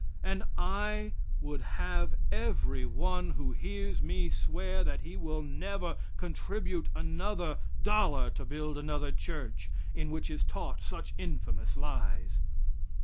And I would have every one who hears me swear that he will never contribute another dollar to build another church, in which is taught such infamous lies.